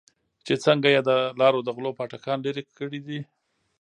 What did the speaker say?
چې څنگه يې د لارو د غلو پاټکان لرې کړې دي.